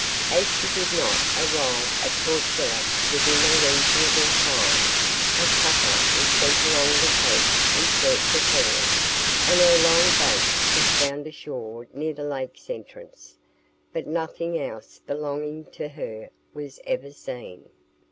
As she did not arrive at Port Phillip within a reasonable time, a cutter was sent along the coast in search of her; and her long boat was found ashore near the Lakes Entrance, but nothing else belonging to her was ever seen.